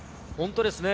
本当ですね。